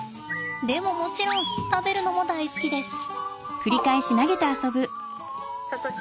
でももちろん食べるのも大好きです。